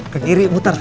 ke kiri muter